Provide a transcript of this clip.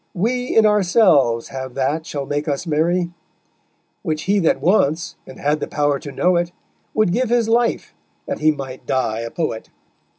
We in ourselves have that shall make us merry; Which he that wants and had the power to know it, Would give his life that he might die a poet_.